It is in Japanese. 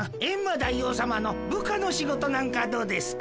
大王さまの部下の仕事なんかどうですか？